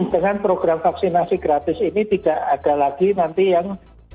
dengan program vaksinasi gratis ini tidak ada lagi nanti yang